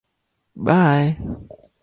Bye.